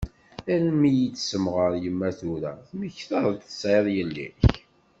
Armi iyi-d-tessemɣer yemma tura temmektaḍ-d tesɛiḍ yelli-k?